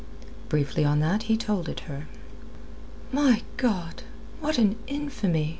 Briefly on that he told it her. "My God! What an infamy!"